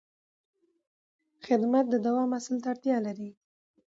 خدمت د دوام اصل ته اړتیا لري.